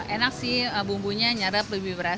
enak sih bumbunya nyadap lebih berasa